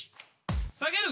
下げる！